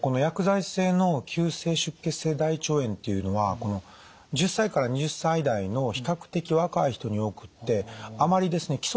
薬剤性の急性出血性大腸炎っていうのは１０歳から２０歳代の比較的若い人に多くってあまりですね